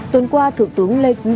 tổng thống lê quý văn